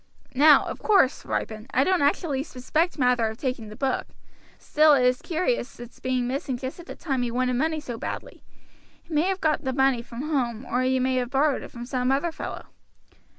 Now, of course, Ripon, I don't actually suspect Mather of taking the book; still it is curious its being missing just at the time he wanted money so badly. He may have got the money from home, or he may have borrowed it from some other fellow."